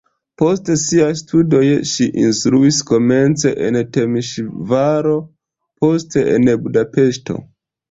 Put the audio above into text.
Post siaj studoj ŝi instruis komence en Temeŝvaro, poste en Budapeŝto.